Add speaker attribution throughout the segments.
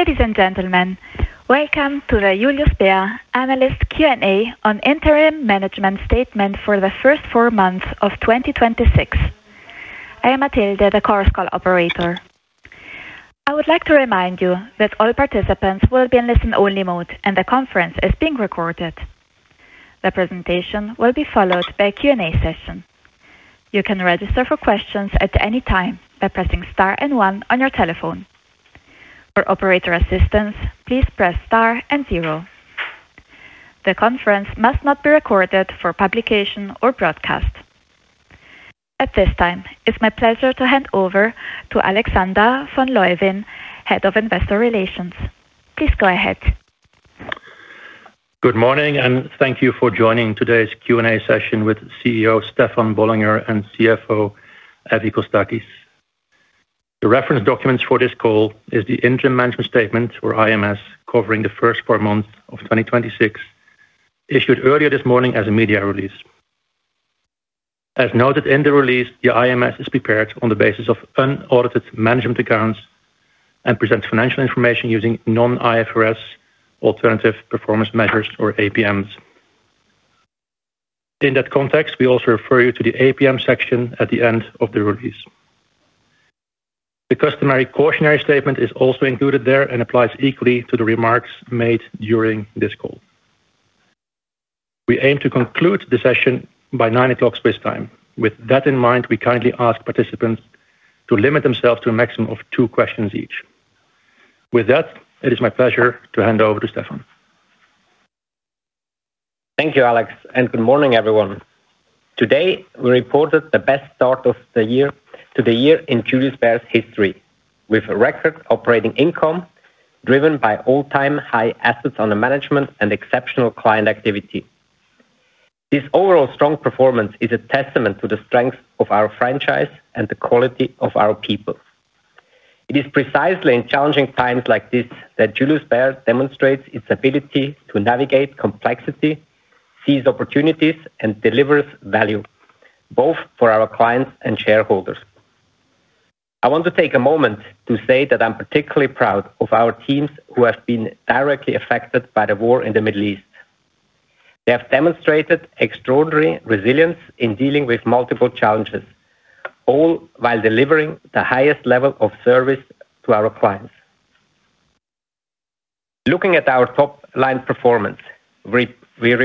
Speaker 1: Ladies and gentlemen, welcome to the Julius Bär analyst Q&A on interim management statement for the first four months of 2026. I am Matilde, the conference call operator. I would like to remind you that all participants will be in listen-only mode, and the conference is being recorded. The presentation will be followed by a Q&A session. You can register for questions at any time by pressing star and one on your telephone. For operator assistance, please press star and zero. The conference must not be recorded for publication or broadcast. At this time, it's my pleasure to hand over to Alexander van Leeuwen, Head Investor Relations. Please go ahead.
Speaker 2: Good morning, thank you for joining today's Q&A session with CEO Stefan Bollinger and CFO Evie Kostakis. The reference documents for this call is the interim management statement, or IMS, covering the first four months of 2026, issued earlier this morning as a media release. As noted in the release, the IMS is prepared on the basis of unaudited management accounts and presents financial information using non-IFRS alternative performance measures, or APMs. In that context, we also refer you to the APM section at the end of the release. The customary cautionary statement is also included there and applies equally to the remarks made during this call. We aim to conclude the session by 9:00, Swiss time. With that in mind, we kindly ask participants to limit themselves to a maximum of two questions each. With that, it is my pleasure to hand over to Stefan.
Speaker 3: Thank you, Alex. Good morning, everyone. Today, we reported the best start to the year in Julius Bär's history, with a record operating income driven by all-time high assets under management and exceptional client activity. This overall strong performance is a testament to the strength of our franchise and the quality of our people. It is precisely in challenging times like this that Julius Bär demonstrates its ability to navigate complexity, seize opportunities, and delivers value both for our clients and shareholders. I want to take a moment to say that I'm particularly proud of our teams who have been directly affected by the war in the Middle East. They have demonstrated extraordinary resilience in dealing with multiple challenges, all while delivering the highest level of service to our clients. Looking at our top-line performance, we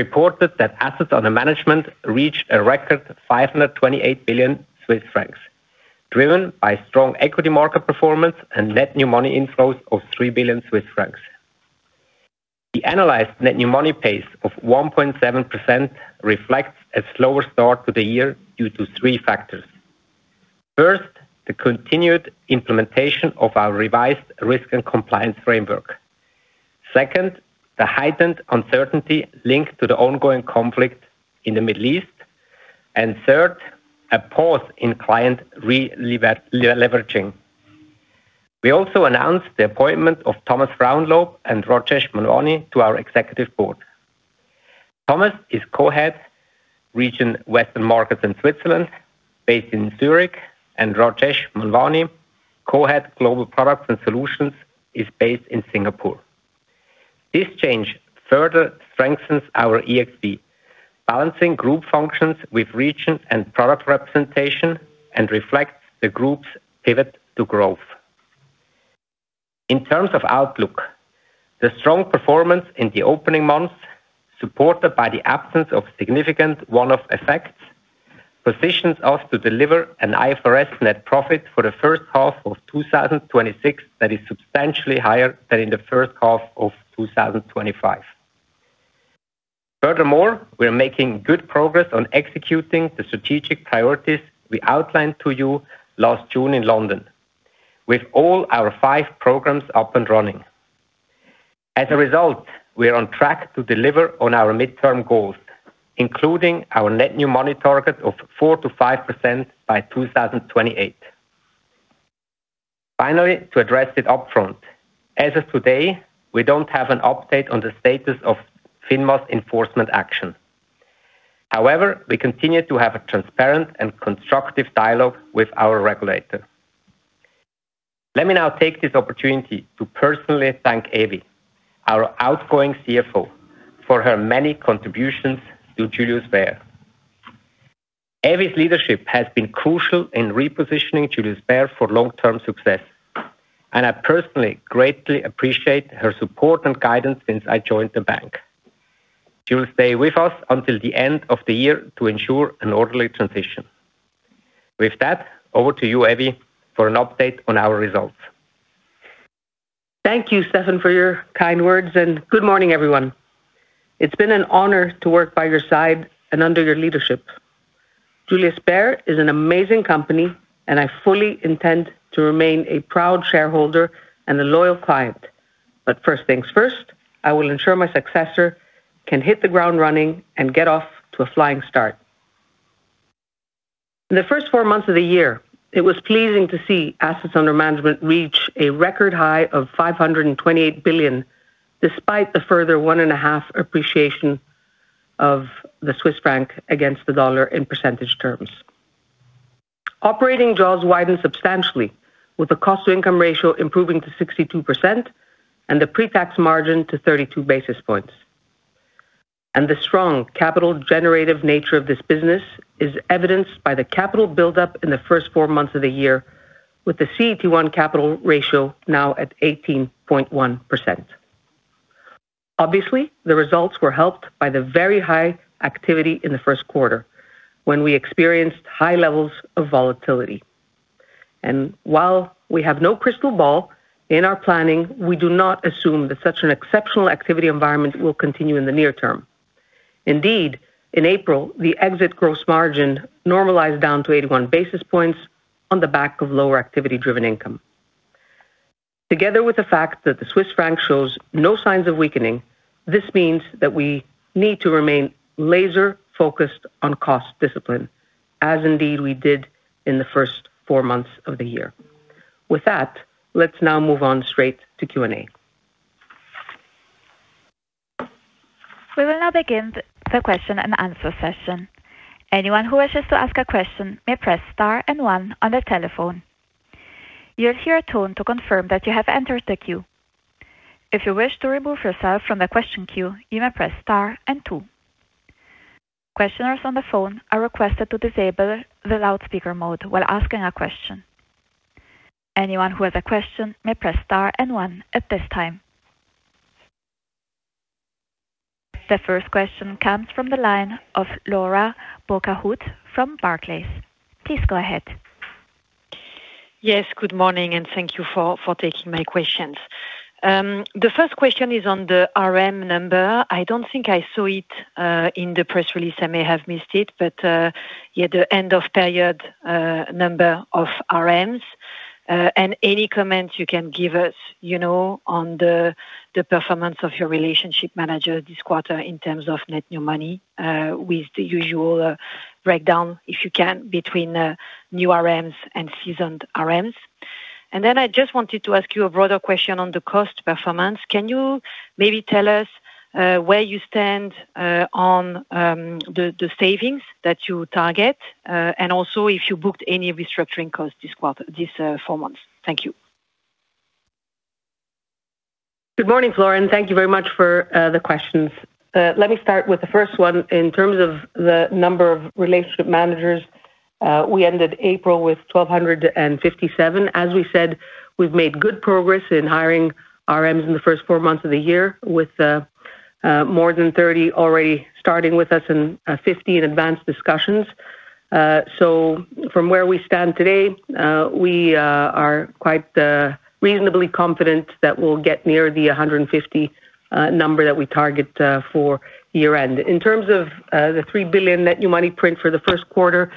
Speaker 3: reported that assets under management reached a record 528 billion Swiss francs, driven by strong equity market performance and net new money inflows of 3 billion Swiss francs. The analyzed net new money pace of 1.7% reflects a slower start to the year due to three factors. First, the continued implementation of our revised risk and compliance framework. Second, the heightened uncertainty linked to the ongoing conflict in the Middle East, and third, a pause in client releveraging. We also announced the appointment of Thomas Frauenlob and [Rocheus Meloni] to our executive board. Thomas is Co-Head, Region, Western Markets and Switzerland based in Zurich, and [Rocheus Meloni,] Co-Head, Global Products and Solutions, is based in Singapore. This change further strengthens our ExB, balancing group functions with region and product representation and reflects the group's pivot to growth. In terms of outlook, the strong performance in the opening months, supported by the absence of significant one-off effects, positions us to deliver an IFRS net profit for the first half of 2026 that is substantially higher than in the first half of 2025. Furthermore, we are making good progress on executing the strategic priorities we outlined to you last June in London, with all our 5 programs up and running. As a result, we are on track to deliver on our midterm goals, including our net new money target of 4%-5% by 2028. Finally, to address it upfront, as of today, we don't have an update on the status of FINMA's enforcement action. However, we continue to have a transparent and constructive dialogue with our regulator. Let me now take this opportunity to personally thank Evie, our outgoing CFO, for her many contributions to Julius Bär. Evie's leadership has been crucial in repositioning Julius Bär for long-term success, and I personally greatly appreciate her support and guidance since I joined the bank. She will stay with us until the end of the year to ensure an orderly transition. With that, over to you, Evi, for an update on our results.
Speaker 4: Thank you, Stefan, for your kind words. Good morning, everyone. It's been an honor to work by your side and under your leadership. Julius Bär is an amazing company. I fully intend to remain a proud shareholder and a loyal client. First things first, I will ensure my successor can hit the ground running and get off to a flying start. In the first four months of the year, it was pleasing to see assets under management reach a record high of 528 billion, despite the further 1.5% appreciation of the Swiss franc against the dollar in percentage terms. Operating jaws widened substantially with the cost-to-income ratio improving to 62% and the pre-tax margin to 32 basis points. The strong capital generative nature of this business is evidenced by the capital buildup in the first four months of the year with the CET1 capital ratio now at 18.1%. Obviously, the results were helped by the very high activity in the first quarter when we experienced high levels of volatility. While we have no crystal ball in our planning, we do not assume that such an exceptional activity environment will continue in the near term. Indeed, in April, the exit gross margin normalized down to 81 basis points on the back of lower activity-driven income. Together with the fact that the Swiss franc shows no signs of weakening, this means that we need to remain laser-focused on cost discipline, as indeed we did in the first four months of the year. With that, let's now move on straight to Q&A.
Speaker 1: We will now begin the question and answer session. Anyone who wishes to ask a question may press star one on their telephone. You'll hear a tone to confirm that you have entered the queue. If you wish to remove yourself from the question queue, you may press star two. Questioners on the phone are requested to disable the loudspeaker mode while asking a question. Anyone who has a question may press star 1 at this time. The first question comes from the line of Flora Bocahut from Barclays. Please go ahead.
Speaker 5: Yes, good morning. Thank you for taking my questions. The 1st question is on the RM number. I don't think I saw it in the press release. I may have missed it. Yeah, the end of period number of RMs, and any comments you can give us on the performance of your Relationship Manager this quarter in terms of net new money with the usual breakdown, if you can, between new RMs and seasoned RMs. I just wanted to ask you a broader question on the cost performance. Can you maybe tell us where you stand on the savings that you target? Also if you booked any restructuring costs these four months. Thank you.
Speaker 4: Good morning, Flora, thank you very much for the questions. Let me start with the first one. In terms of the number of relationship managers, we ended April with 1,257. As we said, we've made good progress in hiring RMs in the first four months of the year with more than 30 already starting with us and 15 in advanced discussions. From where we stand today, we are quite reasonably confident that we'll get near the 150 number that we target for year-end. In terms of the 3 billion net new money print for the first quarter,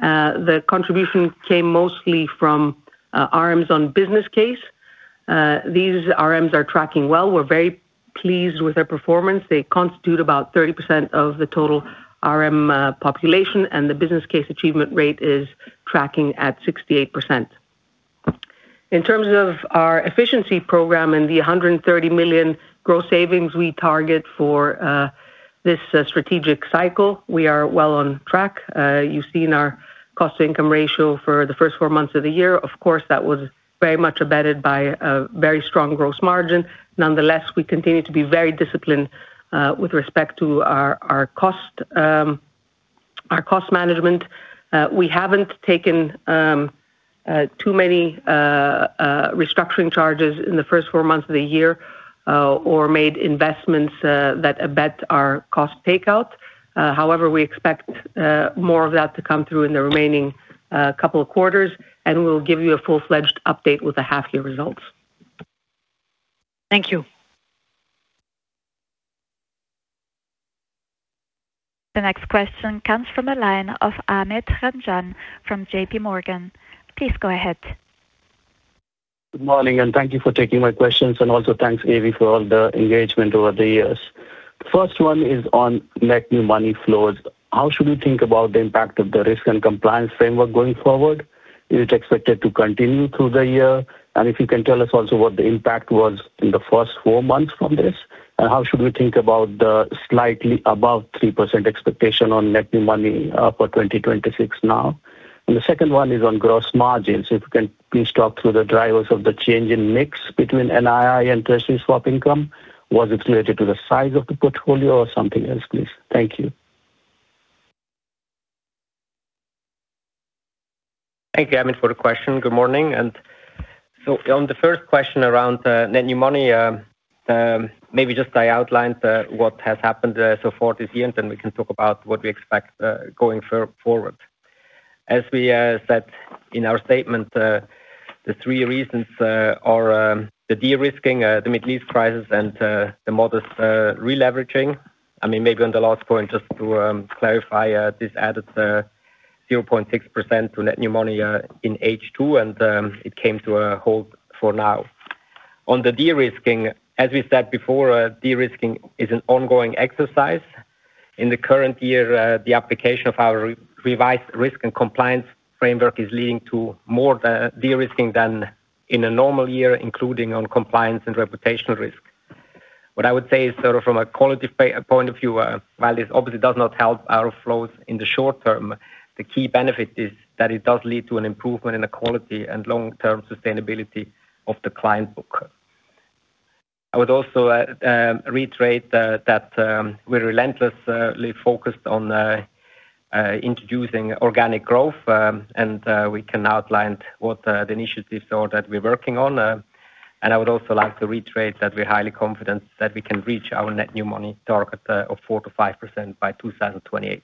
Speaker 4: the contribution came mostly from RMs on business case. These RMs are tracking well. We're very pleased with their performance. They constitute about 30% of the total RM population, and the business case achievement rate is tracking at 68%. In terms of our efficiency program and the 130 million gross savings we target for this strategic cycle, we are well on track. You've seen our cost-to-income ratio for the first four months of the year. Of course, that was very much abetted by a very strong gross margin. Nonetheless, we continue to be very disciplined with respect to our cost management. We haven't taken too many restructuring charges in the first four months of the year or made investments that abet our cost takeout. However, we expect more of that to come through in the remaining couple of quarters, and we'll give you a full-fledged update with the half-year results.
Speaker 5: Thank you.
Speaker 1: The next question comes from the line of Amit Ranjan from JPMorgan. Please go ahead.
Speaker 6: Good morning, thank you for taking my questions. Also, thanks, Evie, for all the engagement over the years. First one is on net new money flows. How should we think about the impact of the risk and compliance framework going forward? Is it expected to continue through the year? If you can tell us also what the impact was in the first four months from this, and how should we think about the slightly above 3% expectation on net new money for 2026 now? The second one is on gross margins. If you can please talk through the drivers of the change in mix between NII and Treasury swap income. Was it related to the size of the portfolio or something else, please? Thank you.
Speaker 3: Thank you, Amit, for the question. Good morning. On the first question around net new money, maybe just I outlined what has happened so far this year, and then we can talk about what we expect going forward. As we said in our statement, the three reasons are the de-risking, the Middle East crisis, and the modest releveraging. Maybe on the last point, just to clarify, this added 0.6% to net new money in H2, and it came to a halt for now. On the de-risking, as we said before, de-risking is an ongoing exercise. In the current year, the application of our revised risk and compliance framework is leading to more de-risking than in a normal year, including on compliance and reputational risk. What I would say is from a quality point of view, while this obviously does not help our flows in the short term, the key benefit is that it does lead to an improvement in the quality and long-term sustainability of the client book. I would also reiterate that we're relentlessly focused on introducing organic growth, and we can outline what the initiatives are that we're working on. I would also like to reiterate that we're highly confident that we can reach our net new money target of 4%-5% by 2028.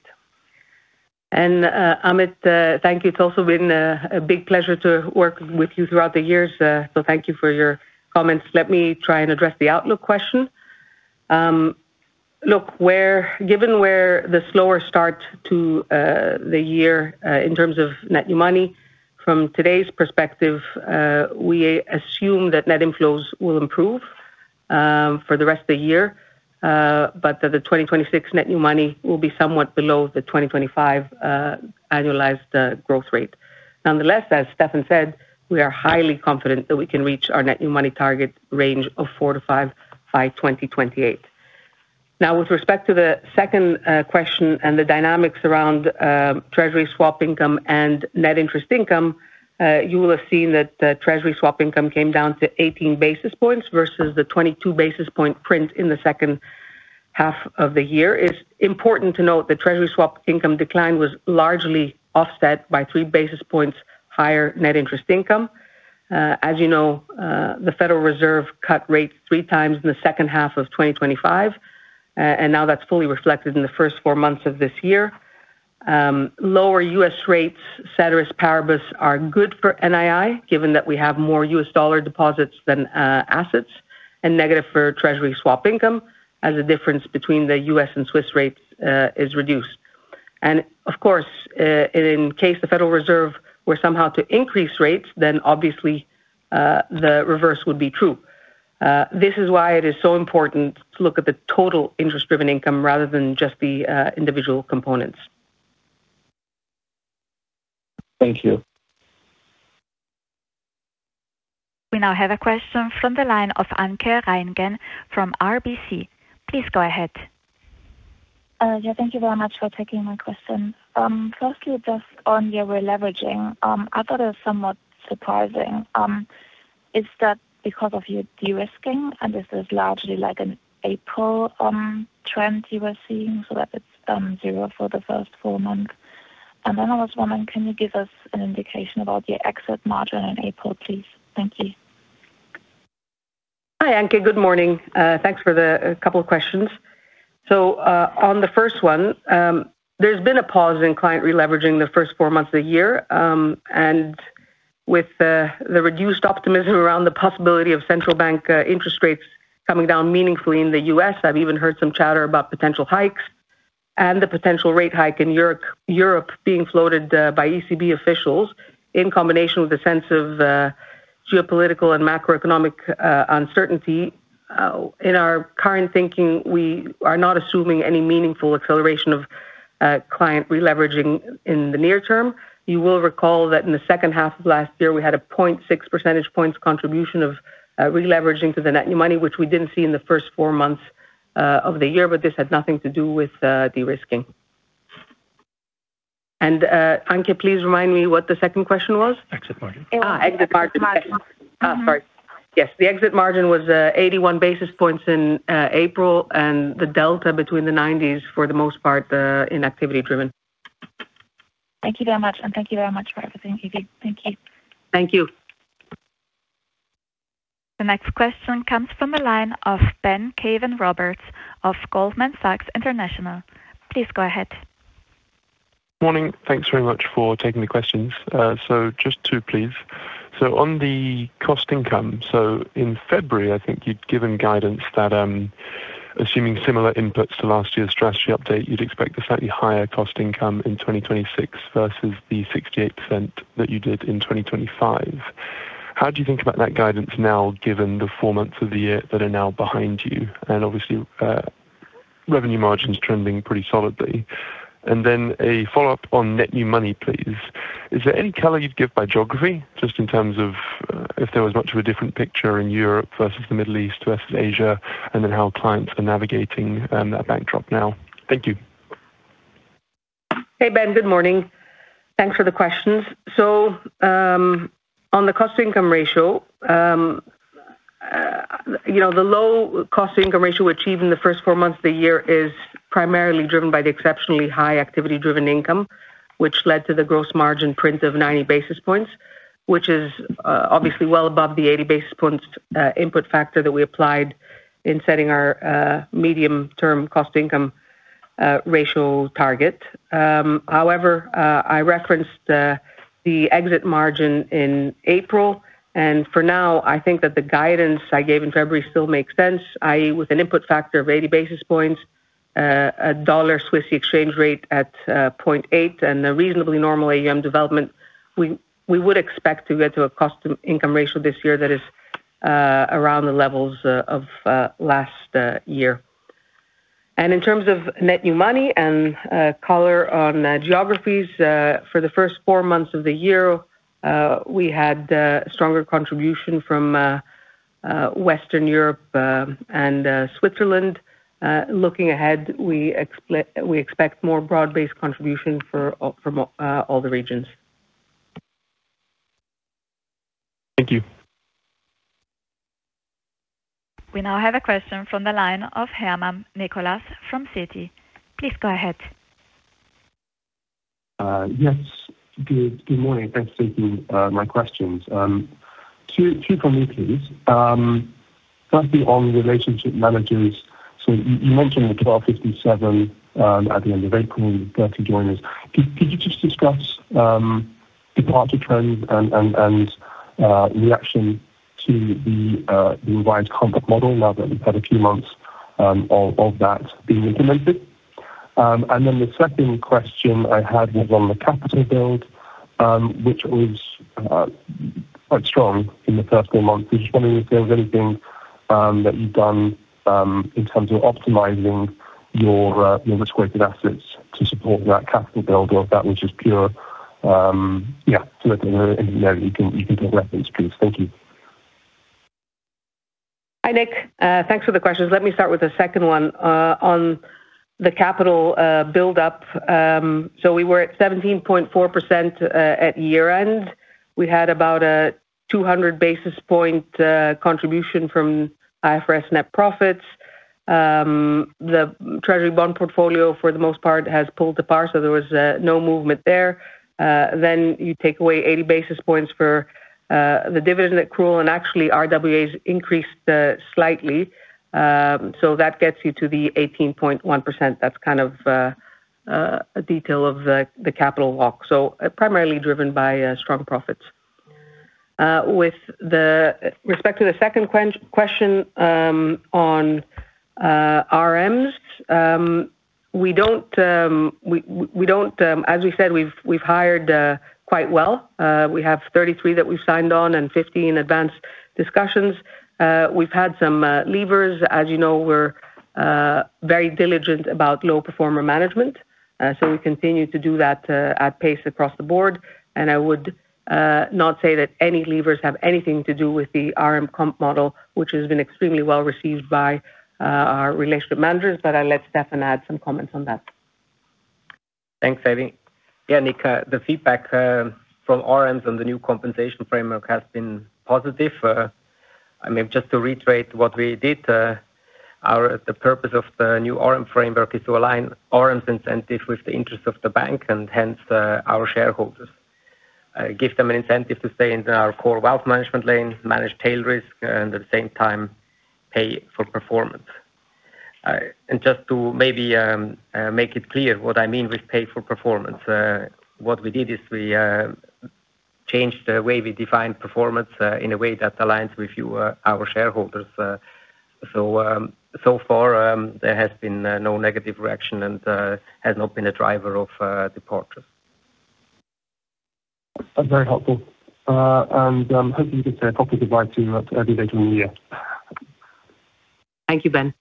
Speaker 4: Amit, thank you. It's also been a big pleasure to work with you throughout the years, so thank you for your comments. Let me try and address the outlook question. Look, given where the slower start to the year in terms of net new money from today's perspective, we assume that net inflows will improve for the rest of the year, but that the 2026 net new money will be somewhat below the 2025 annualized growth rate. Nonetheless, as Stefan said, we are highly confident that we can reach our net new money target range of 4%-5% by 2028. Now, with respect to the second question and the dynamics around Treasury swap income and net interest income, you will have seen that the Treasury swap income came down to 18 basis points versus the 22 basis point print in the second half of the year. It's important to note the Treasury swap income decline was largely offset by 3 basis points higher net interest income. As you know, the Federal Reserve cut rates 3x in the second half of 2025, and now that's fully reflected in the first four months of this year. Lower U.S. rates, ceteris paribus, are good for NII, given that we have more U.S. dollar deposits than assets, and negative for Treasury swap income as the difference between the U.S. and Swiss rates is reduced. Of course, in case the Federal Reserve were somehow to increase rates, then obviously the reverse would be true. This is why it is so important to look at the total interest-driven income rather than just the individual components.
Speaker 6: Thank you.
Speaker 1: We now have a question from the line of Anke Reingen from RBC. Please go ahead.
Speaker 7: Yeah, thank you very much for taking my question. Firstly, just on your releveraging, I thought it was somewhat surprising. Is that because of your de-risking, and this is largely like an April trend you were seeing so that it's zero for the first four months? I was wondering, can you give us an indication about your exit margin in April, please? Thank you.
Speaker 4: Hi, Anke. Good morning. Thanks for the couple of questions. On the first one, there's been a pause in client releveraging the first four months of the year, and with the reduced optimism around the possibility of central bank interest rates coming down meaningfully in the U.S., I've even heard some chatter about potential hikes and the potential rate hike in Europe being floated by ECB officials in combination with the sense of geopolitical and macroeconomic uncertainty. In our current thinking, we are not assuming any meaningful acceleration of client releveraging in the near term. You will recall that in the second half of last year, we had a 0.6 percentage points contribution of releveraging to the net new money, which we didn't see in the first four months of the year, but this had nothing to do with de-risking. Anke, please remind me what the second question was?
Speaker 3: Exit margin.
Speaker 4: exit margin.
Speaker 7: Exit margin.
Speaker 4: Sorry. Yes, the exit margin was 81 basis points in April, and the delta between the 90s, for the most part, inactivity-driven.
Speaker 7: Thank you very much, and thank you very much for everything. Thank you.
Speaker 4: Thank you.
Speaker 1: The next question comes from the line of Ben Caven-Roberts of Goldman Sachs International. Please go ahead.
Speaker 8: Morning. Thanks very much for taking the questions. Just two, please. On the cost income, so in February, I think you'd given guidance that assuming similar inputs to last year's strategy update, you'd expect a slightly higher cost income in 2026 versus the 68% that you did in 2025. How do you think about that guidance now, given the four months of the year that are now behind you, and obviously revenue margins trending pretty solidly? A follow-up on net new money, please. Is there any color you'd give by geography, just in terms of if there was much of a different picture in Europe versus the Middle East versus Asia, and then how clients are navigating that backdrop now? Thank you.
Speaker 4: Hey, Ben, good morning. Thanks for the questions. On the cost-to-income ratio, the low cost-to-income ratio achieved in the first four months of the year is primarily driven by the exceptionally high activity-driven income, which led to the gross margin print of 90 basis points, which is obviously well above the 80 basis points input factor that we applied in setting our medium-term cost-to-income ratio target. However, I referenced the exit margin in April, and for now, I think that the guidance I gave in February still makes sense, i.e., with an input factor of 80 basis points, a dollar Swiss exchange rate at 0.8, and a reasonably normal AUM development, we would expect to get to a cost-to-income ratio this year that is around the levels of last year.In terms of net new money and color on geographies, for the first four months of the year, we had stronger contribution from Western Europe and Switzerland. Looking ahead, we expect more broad-based contribution from all the regions.
Speaker 8: Thank you.
Speaker 1: We now have a question from the line of Nicholas Herman from Citigroup. Please go ahead.
Speaker 9: Yes. Good morning. Thanks for taking my questions. Two for me, please. Firstly, on relationship managers, you mentioned the 1,257 at the end of April, 30 joiners. Could you just discuss departure trends and reaction to the revised comp model now that we've had a few months of that being implemented? The second question I had was on the capital build, which was quite strong in the first four months. I was just wondering if there was anything that you've done in terms of optimizing your risk-weighted assets to support that capital build or if that was just pure. Let me know if you can get reference, please. Thank you.
Speaker 4: Hi, Nick. Thanks for the questions. Let me start with the second one on the capital buildup. We were at 17.4% at year-end. We had about a 200 basis point contribution from IFRS net profits. The treasury bond portfolio, for the most part, has pulled apart, so there was no movement there. You take away 80 basis points for the dividend accrual, and actually, RWAs increased slightly. That gets you to the 18.1%. That's a detail of the capital walk, so primarily driven by strong profits. With respect to the second question on RMs, as we said, we've hired quite well. We have 33 that we've signed on and 15 in advanced discussions. We've had some leavers. As you know, we're very diligent about low performer management. We continue to do that at pace across the board, and I would not say that any leavers have anything to do with the RM comp model, which has been extremely well-received by our relationship managers. I'll let Stefan add some comments on that.
Speaker 3: Thanks, Evie. Nick, the feedback from RMs on the new compensation framework has been positive. Just to reiterate what we did, the purpose of the new RM framework is to align RM's incentive with the interest of the bank, and hence, our shareholders. Give them an incentive to stay in our core wealth management lane, manage tail risk, and at the same time, pay for performance. Just to maybe make it clear what I mean with pay for performance, what we did is we changed the way we define performance in a way that aligns with our shareholders. So far, there has been no negative reaction and has not been a driver of departures.
Speaker 9: That is very helpful. Hopefully you can say a proper goodbye too at the virtual year.
Speaker 4: Thank you, Ben.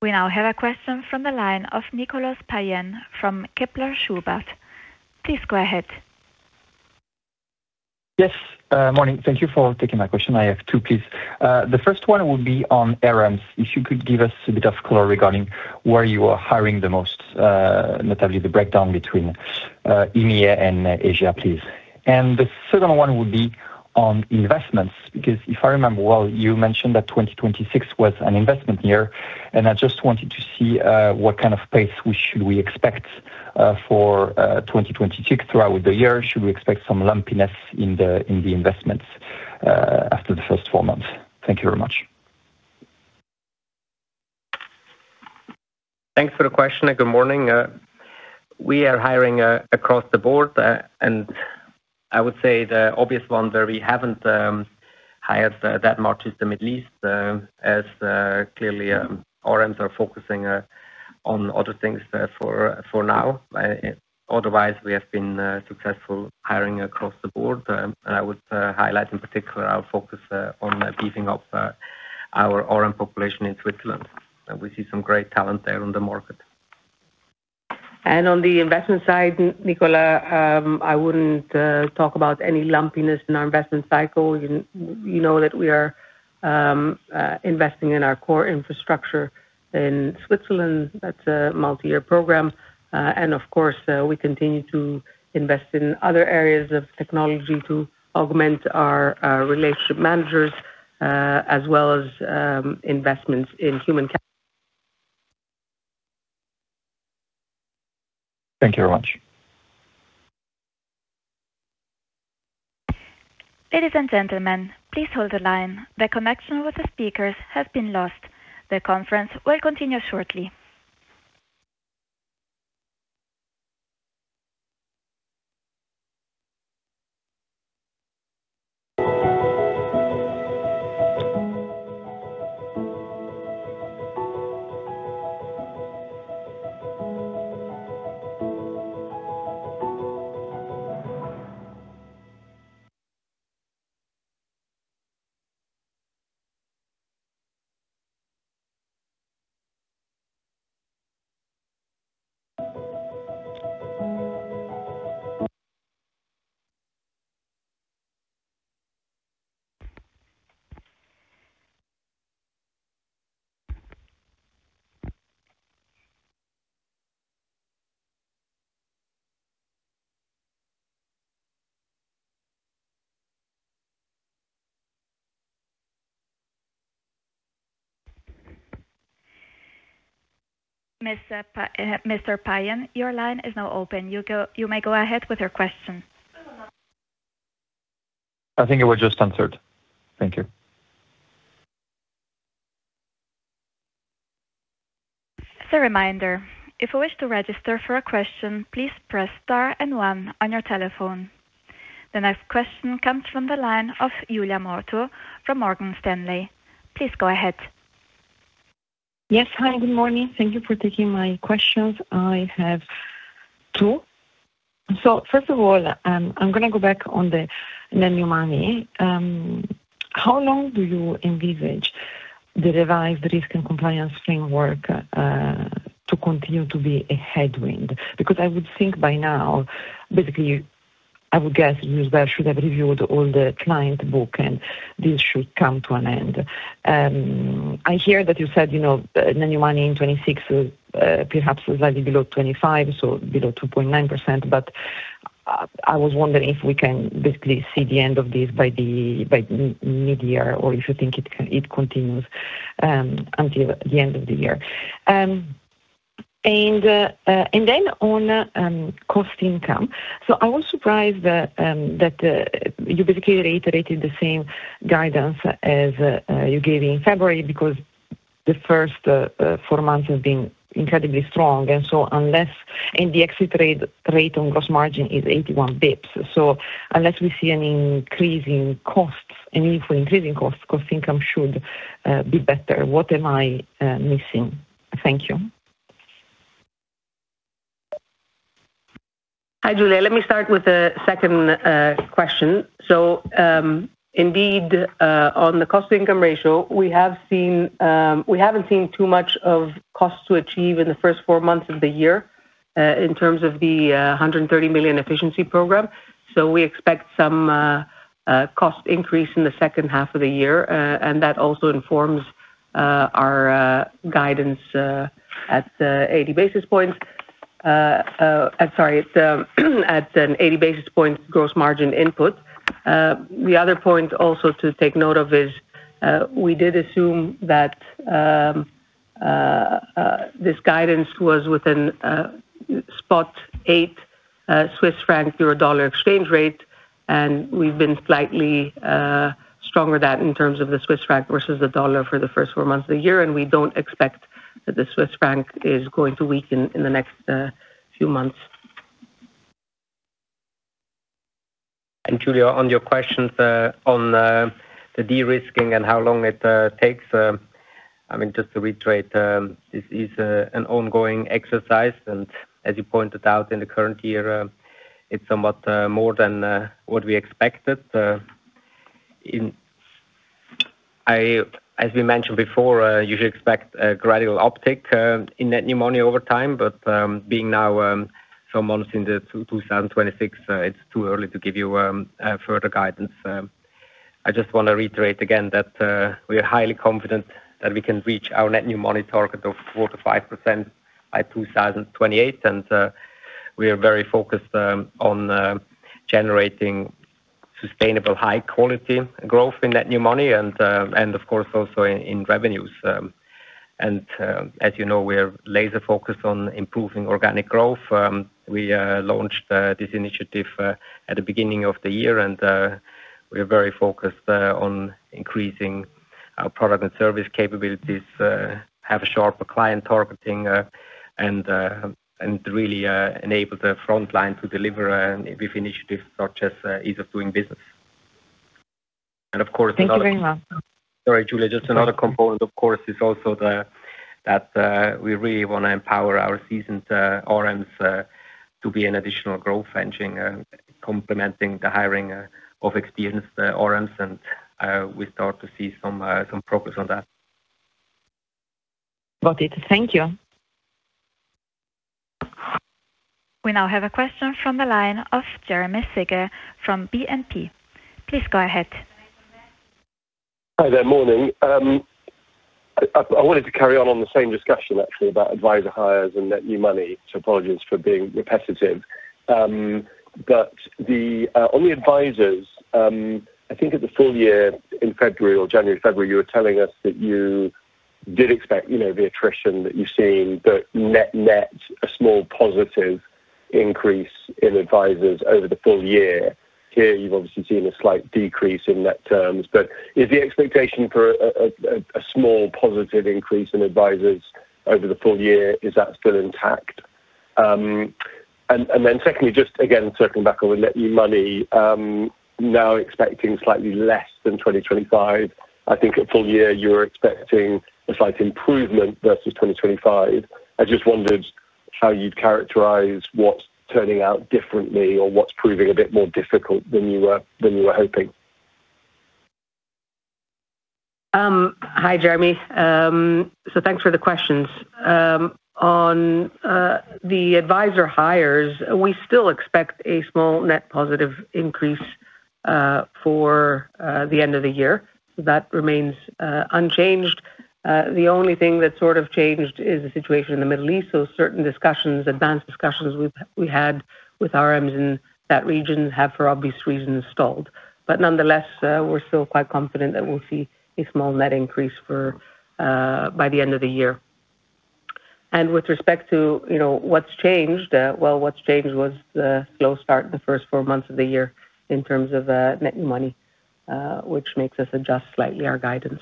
Speaker 1: We now have a question from the line of Nicolas Payen from Kepler Cheuvreux. Please go ahead.
Speaker 10: Yes. Morning. Thank you for taking my question. I have two, please. The first one would be on RMs. If you could give us a bit of color regarding where you are hiring the most, notably the breakdown between EMEA and Asia, please. The second one would be on investments, because if I remember well, you mentioned that 2026 was an investment year, I just wanted to see what kind of pace we should expect for 2026 throughout the year. Should we expect some lumpiness in the investments after the first four months? Thank you very much.
Speaker 3: Thanks for the question, and good morning. We are hiring across the board, and I would say the obvious one where we haven't hired that much is the Middle East, as clearly RMs are focusing on other things for now. We have been successful hiring across the board, and I would highlight in particular our focus on beefing up our RM population in Switzerland. We see some great talent there on the market.
Speaker 4: On the investment side, Nicolas, I wouldn't talk about any lumpiness in our investment cycle. You know that we are investing in our core infrastructure in Switzerland. That's a multi-year program. Of course, we continue to invest in other areas of technology to augment our Relationship Managers, as well as investments in human capital.
Speaker 10: Thank you very much.
Speaker 1: Ladies and gentlemen, please hold the line. The connection with the speakers has been lost. The conference will continue shortly. Mr. Payen, your line is now open. You may go ahead with your question.
Speaker 10: I think it was just answered. Thank you.
Speaker 1: As a reminder, if you wish to register for a question, please press star and one on your telephone. The next question comes from the line of [Giulia Miotto] from Morgan Stanley. Please go ahead.
Speaker 11: Yes. Hi, good morning. Thank you for taking my questions. I have two. First of all, I'm going to go back on the net new money. How long do you envisage the revised risk and compliance framework to continue to be a headwind? I would think by now, basically, I would guess Julius Bär should have reviewed all the client book, and this should come to an end. I hear that you said net new money in 2026 perhaps was slightly below 2025, so below 2.9%, but I was wondering if we can basically see the end of this by mid-year, or if you think it continues until the end of the year. On cost income. I was surprised that you basically reiterated the same guidance as you gave in February because the first four months have been incredibly strong, and the exit rate on gross margin is 81 basis points. Unless we see an increase in costs, cost income should be better. What am I missing? Thank you.
Speaker 4: Hi, Giulia. Let me start with the second question. Indeed, on the cost-to-income ratio, we haven't seen too much of cost to achieve in the first four months of the year in terms of the 130 million efficiency program. We expect some cost increase in the second half of the year, and that also informs our guidance at 80 basis points gross margin input. The other point also to take note of is we did assume that this guidance was within spot 0.8 Swiss franc to a dollar exchange rate, and we've been slightly stronger than that in terms of the Swiss franc versus the dollar for the first four months of the year, and we don't expect that the Swiss franc is going to weaken in the next few months.
Speaker 3: Julia, on your questions on the de-risking and how long it takes. To reiterate, this is an ongoing exercise, and as you pointed out in the current year, it's somewhat more than what we expected. As we mentioned before, you should expect a gradual uptick in net new money over time, but being now some months into 2026, it's too early to give you further guidance. I want to reiterate again that we are highly confident that we can reach our net new money target of 4%-5% by 2028. We are very focused on generating sustainable, high-quality growth in net new money and, of course, also in revenues. As you know, we are laser-focused on improving organic growth. We launched this initiative at the beginning of the year, and we are very focused on increasing our product and service capabilities, have sharper client targeting, and really enable the frontline to deliver with initiatives such as ease of doing business.
Speaker 11: Thank you very much.
Speaker 3: Sorry, Julia. Just another component, of course, is also that we really want to empower our seasoned RMs to be an additional growth engine complementing the hiring of experienced RMs, and we start to see some progress on that.
Speaker 11: Got it. Thank you.
Speaker 1: We now have a question from the line of Jeremy Sigee from BNP. Please go ahead.
Speaker 12: Hi there. Morning. I wanted to carry on the same discussion actually, about advisor hires and net new money. Apologies for being repetitive. On the advisors, I think at the full year in February or January, you were telling us that you did expect the attrition that you're seeing, but net-net, a small positive increase in advisors over the full year. Here, you've obviously seen a slight decrease in net terms, but is the expectation for a small positive increase in advisors over the full year, is that still intact? Secondly, just again circling back on net new money, now expecting slightly less than 2025. I think at full year you were expecting a slight improvement versus 2025. I just wondered how you'd characterize what's turning out differently or what's proving a bit more difficult than you were hoping.
Speaker 4: Hi, Jeremy. Thanks for the questions. On the advisor hires, we still expect a small net positive increase for the end of the year. That remains unchanged. The only thing that sort of changed is the situation in the Middle East. Certain advanced discussions we had with RMs in that region have, for obvious reasons, stalled. Nonetheless, we're still quite confident that we'll see a small net increase by the end of the year. With respect to what's changed, well, what's changed was the slow start in the first four months of the year in terms of net new money, which makes us adjust slightly our guidance.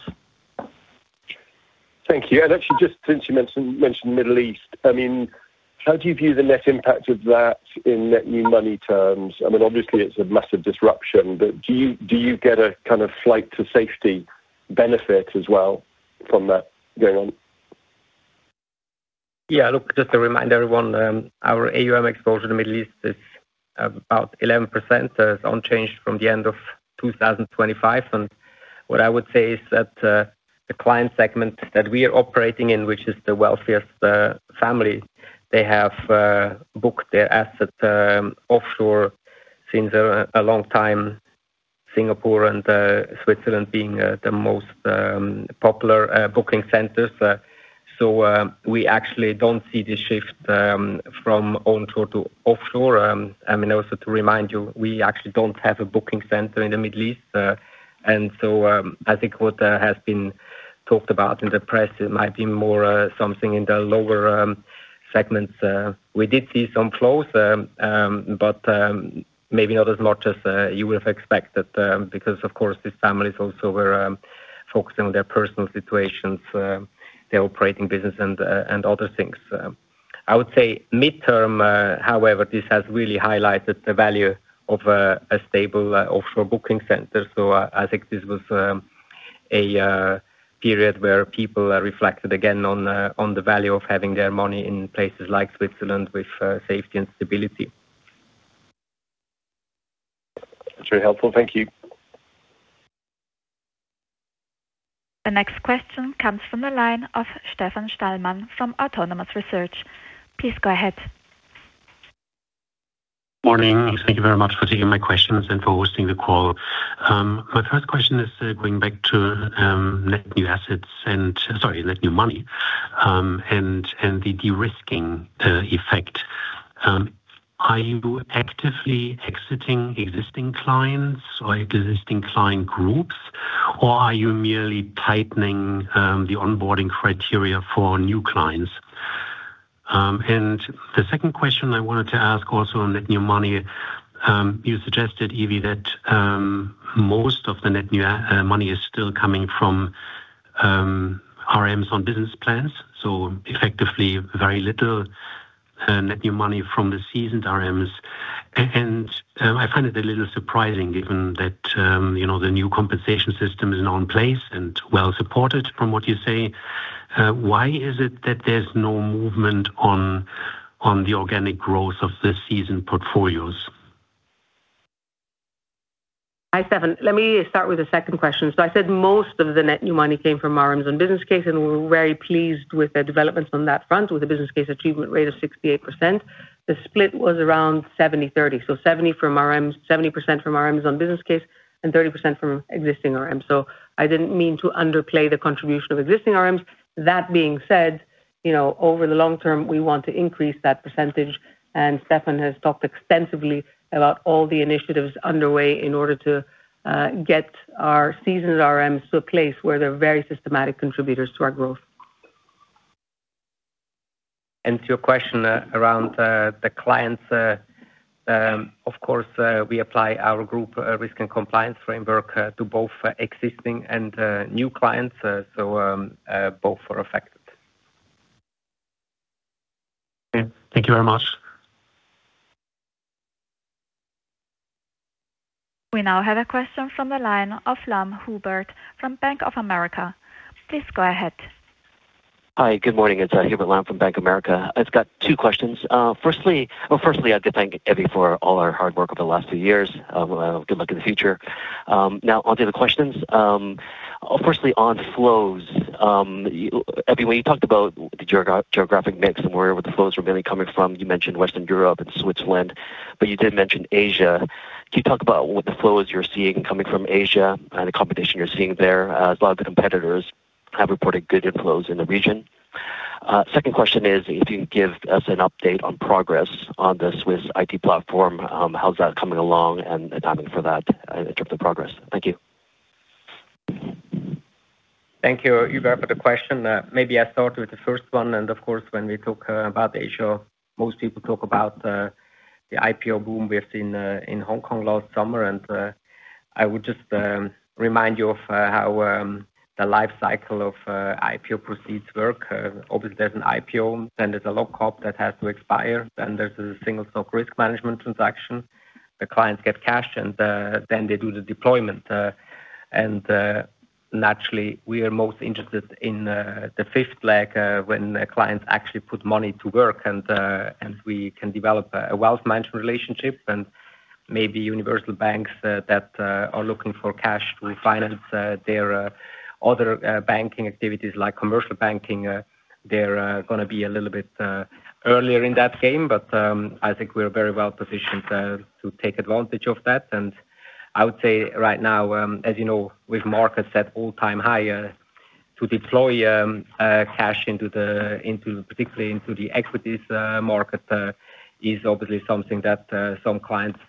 Speaker 12: Thank you. Actually, just since you mentioned Middle East, how do you view the net impact of that in net new money terms? Obviously, it's a massive disruption, do you get a kind of flight to safety benefit as well from that going on?
Speaker 3: Yeah, look, just to remind everyone, our AUM exposure to Middle East is about 11%, so it's unchanged from the end of 2025. What I would say is that the client segment that we are operating in, which is the wealthiest family, they have booked their assets offshore since a long time, Singapore and Switzerland being the most popular booking centers. We actually don't see the shift from onshore to offshore. Also to remind you, we actually don't have a booking center in the Middle East. I think what has been talked about in the press, it might be more something in the lower segments. Maybe not as much as you would have expected because, of course, these families also were focusing on their personal situations, their operating business, and other things. I would say midterm, however, this has really highlighted the value of a stable offshore booking center. I think this was a period where people reflected again on the value of having their money in places like Switzerland with safety and stability.
Speaker 12: That's very helpful. Thank you.
Speaker 1: The next question comes from the line of Stefan Stalmann from Autonomous Research. Please go ahead.
Speaker 13: Morning. Thank you very much for taking my questions and for hosting the call. My first question is going back to net new money and the de-risking effect. Are you actively exiting existing clients or existing client groups, or are you merely tightening the onboarding criteria for new clients? The second question I wanted to ask, also on net new money, you suggested, Evi, that most of the net new money is still coming from RMs on business plans. Effectively, very little net new money from the seasoned RMs. I find it a little surprising given that the new compensation system is now in place and well-supported from what you say. Why is it that there's no movement on the organic growth of the seasoned portfolios?
Speaker 4: Hi, Stefan. Let me start with the second question. I said most of the net new money came from RMs on business case, and we're very pleased with the developments on that front, with the business case achievement rate of 68%. The split was around 70-30, so 70% from RMs on business case and 30% from existing RMs. I didn't mean to underplay the contribution of existing RMs. That being said, over the long term, we want to increase that percentage, and Stefan has talked extensively about all the initiatives underway in order to get our seasoned RMs to a place where they're very systematic contributors to our growth.
Speaker 3: To your question around the clients, of course, we apply our group risk and compliance framework to both existing and new clients. Both are affected.
Speaker 13: Okay. Thank you very much.
Speaker 1: We now have a question from the line of Hubert Lam from Bank of America. Please go ahead.
Speaker 14: Hi. Good morning. It's Hubert Lam from Bank of America. I've got two questions. Well, firstly, I'd like to thank Evie for all her hard work over the last few years. Good luck in the future. Onto the questions. Firstly, on flows. Evie, when you talked about the geographic mix and where the flows were mainly coming from, you mentioned Western Europe and Switzerland, but you did mention Asia. Can you talk about what the flows you're seeing coming from Asia and the competition you're seeing there, as a lot of the competitors have reported good inflows in the region? Second question is, if you can give us an update on progress on the Swiss IT platform, how's that coming along and timing for that in terms of progress? Thank you.
Speaker 3: Thank you, Hubert, for the question. I start with the first one. Of course, when we talk about Asia, most people talk about the IPO boom we have seen in Hong Kong last summer. I would just remind you of how the life cycle of IPO proceeds work. Obviously, there's an IPO, then there's a lock-up that has to expire, then there's a single stock risk management transaction. The clients get cash, and then they do the deployment. Naturally, we are most interested in the fifth leg when clients actually put money to work, and we can develop a wealth management relationship and maybe universal banks that are looking for cash to finance their other banking activities like commercial banking. They're going to be a little bit earlier in that game, but I think we are very well-positioned to take advantage of that. I would say right now, as you know, with markets at all-time high, to deploy cash particularly into the equities market, is obviously something that some clients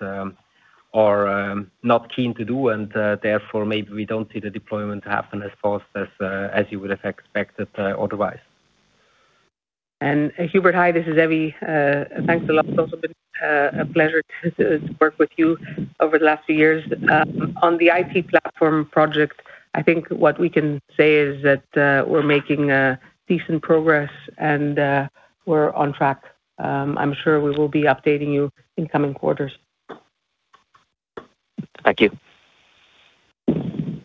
Speaker 3: are not keen to do, and therefore maybe we don't see the deployment happen as fast as you would have expected otherwise.
Speaker 4: Hubert, hi. This is Evie. Thanks a lot. It's also been a pleasure to work with you over the last few years. On the IT platform project, I think what we can say is that we're making decent progress, and we're on track. I'm sure we will be updating you in coming quarters.
Speaker 14: Thank you.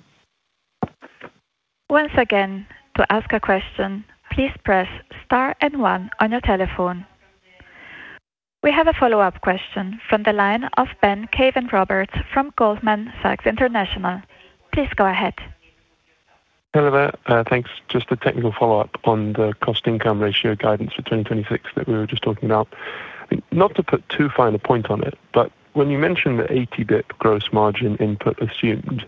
Speaker 1: Once again, to ask a question, please press star one on your telephone. We have a follow-up question from the line of [Ben Cave-Roberts] from Goldman Sachs International. Please go ahead.
Speaker 8: Hello there. Thanks. Just a technical follow-up on the cost-to-income ratio guidance for 2026 that we were just talking about. Not to put too fine a point on it, when you mention the 80 basis points gross margin input assumed,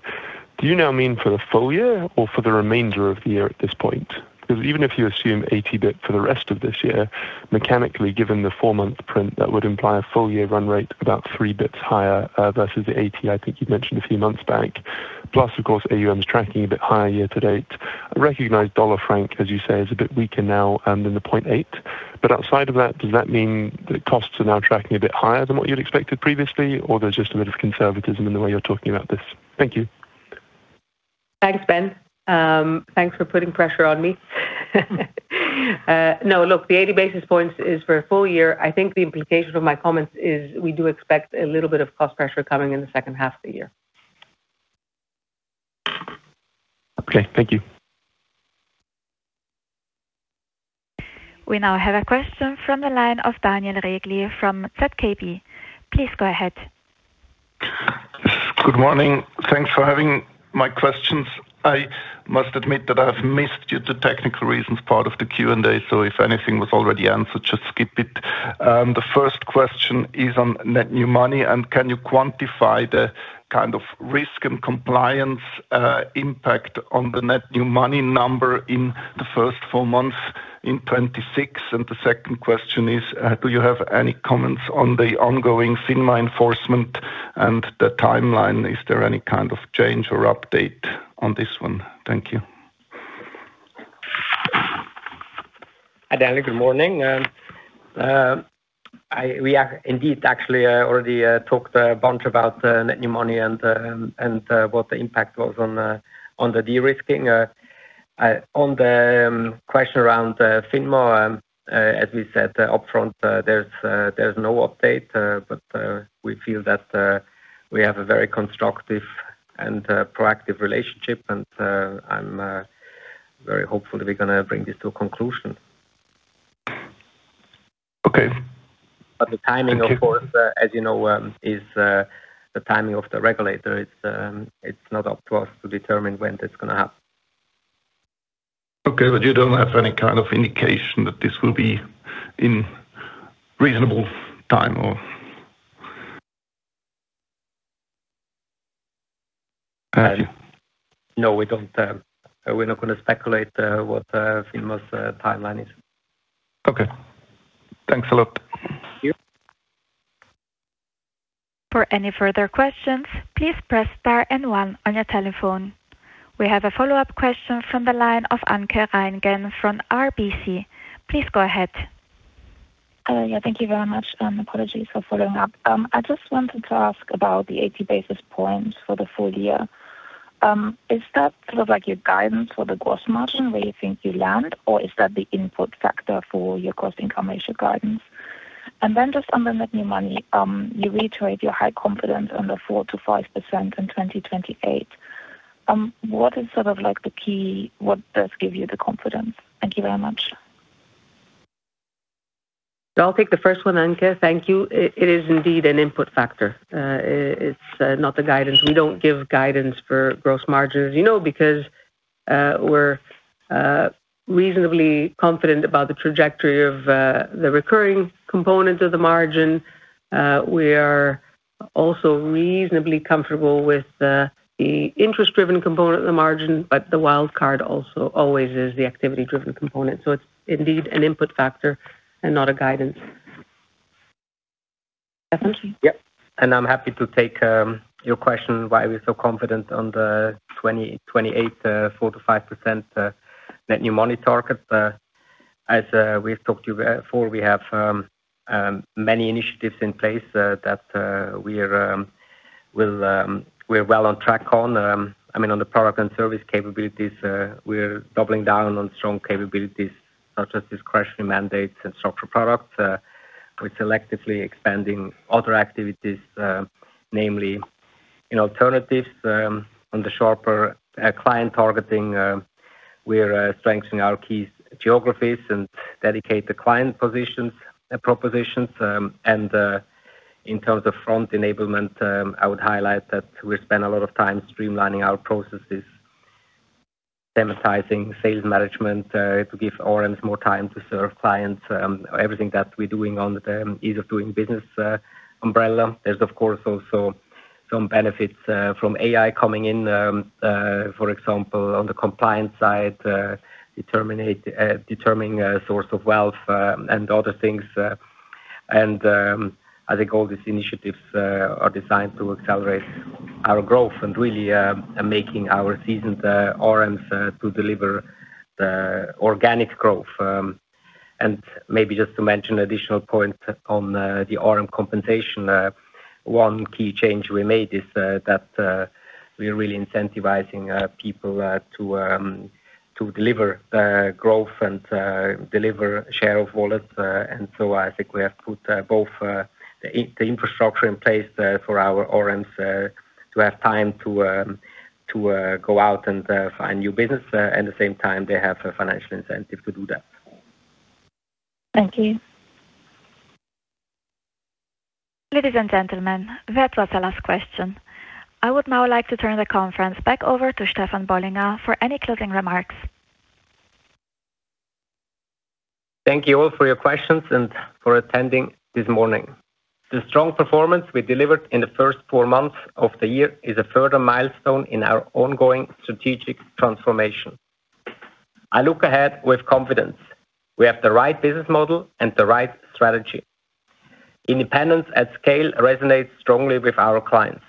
Speaker 8: do you now mean for the full year or for the remainder of the year at this point? Even if you assume 80 basis points for the rest of this year, mechanically, given the four month print, that would imply a full-year run rate about 3 basis points higher, versus the 80 I think you mentioned a few months back. Of course, AUM is tracking a bit higher year-to-date. I recognize dollar-franc, as you say, is a bit weaker now than the 0.8. Outside of that, does that mean that costs are now tracking a bit higher than what you'd expected previously, or there's just a bit of conservatism in the way you're talking about this? Thank you.
Speaker 4: Thanks, Ben. Thanks for putting pressure on me. No, look, the 80 basis points is for a full year. I think the implication of my comments is we do expect a little bit of cost pressure coming in the second half of the year.
Speaker 8: Okay. Thank you.
Speaker 1: We now have a question from the line of Daniel Regli from ZKB. Please go ahead.
Speaker 15: Good morning. Thanks for having my questions. I must admit that I have missed due to technical reasons part of the Q&A, so if anything was already answered, just skip it. The first question is on net new money, and can you quantify the risk and compliance impact on the net new money number in the first four months in 2026? The second question is, do you have any comments on the ongoing FINMA enforcement and the timeline? Is there any kind of change or update on this one? Thank you.
Speaker 3: Hi, Daniel. Good morning. We indeed actually already talked a bunch about net new money and what the impact was on the de-risking. On the question around FINMA, as we said upfront, there's no update, but we feel that we have a very constructive and proactive relationship, and I'm very hopeful that we're going to bring this to a conclusion.
Speaker 15: Okay.
Speaker 3: The timing, of course, as you know, is the timing of the regulator. It is not up to us to determine when that is going to happen.
Speaker 15: Okay, you don't have any kind of indication that this will be in reasonable time, or Have you?
Speaker 3: No, we don't. We're not going to speculate what FINMA's timeline is.
Speaker 15: Okay. Thanks a lot.
Speaker 3: Thank you.
Speaker 1: For any further questions, please press star and one on your telephone. We have a follow-up question from the line of Anke Reingen from RBC. Please go ahead.
Speaker 7: Hello. Yeah, thank you very much, and apologies for following up. I just wanted to ask about the 80 basis points for the full year. Is that your guidance for the gross margin where you think you land, or is that the input factor for your cost-to-income ratio guidance? Just on the net new money, you reiterate your high confidence on the 4%-5% in 2028. What is the key? What does give you the confidence? Thank you very much.
Speaker 4: I'll take the first one, Anke. Thank you. It is indeed an input factor. It's not the guidance. We don't give guidance for gross margin, as you know, because we're reasonably confident about the trajectory of the recurring component of the margin. We are also reasonably comfortable with the interest-driven component of the margin, but the wild card also always is the activity-driven component. It's indeed an input factor and not a guidance.
Speaker 7: Definitely.
Speaker 3: Yeah. I'm happy to take your question, why we're so confident on the 2028 4%-5% net new money target. As we've talked to you before, we have many initiatives in place that we're well on track on. On the product and service capabilities, we're doubling down on strong capabilities such as discretionary mandates and structured products. We're selectively expanding other activities, namely in alternatives on the sharper client targeting. We are strengthening our key geographies and dedicate the client propositions. In terms of front enablement, I would highlight that we spend a lot of time streamlining our processes, democratizing sales management to give OREMs more time to serve clients. Everything that we're doing on the ease of doing business umbrella. There's, of course, also some benefits from AI coming in, for example, on the compliance side, determining source of wealth and other things. I think all these initiatives are designed to accelerate our growth and really making our seasoned OREMs to deliver the organic growth. Maybe just to mention additional points on the OREM compensation. One key change we made is that we are really incentivizing people to deliver growth and deliver share of wallet. I think we have put both the infrastructure in place for our OREMs to have time to go out and find new business. At the same time, they have a financial incentive to do that.
Speaker 1: Thank you. Ladies and gentlemen, that was the last question. I would now like to turn the conference back over to Stefan Bollinger for any closing remarks.
Speaker 3: Thank you all for your questions and for attending this morning. The strong performance we delivered in the first four months of the year is a further milestone in our ongoing strategic transformation. I look ahead with confidence. We have the right business model and the right strategy. Independence at scale resonates strongly with our clients.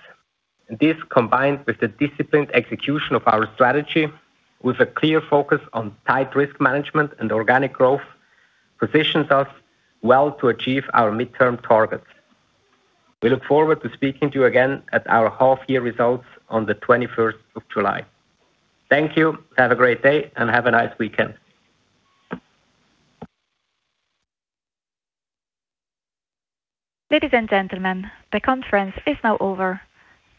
Speaker 3: This, combined with the disciplined execution of our strategy, with a clear focus on tight risk management and organic growth, positions us well to achieve our midterm targets. We look forward to speaking to you again at our half-year results on the 21st of July. Thank you. Have a great day and have a nice weekend.
Speaker 1: Ladies and gentlemen, the conference is now over.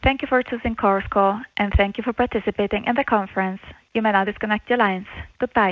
Speaker 1: Thank you for choosing Chorus Call, and thank you for participating in the conference. You may now disconnect your lines. Goodbye